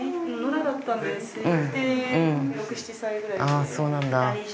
ああそうなんだ。